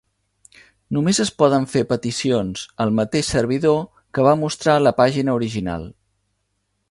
Només es poden fer peticions al mateix servidor que va mostrar la pàgina original.